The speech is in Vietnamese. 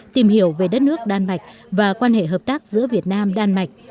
tìm hiểu về đất nước đan mạch và quan hệ hợp tác giữa việt nam đan mạch